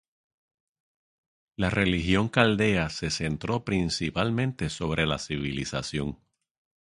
La religión caldea se centró principalmente sobre la civilización.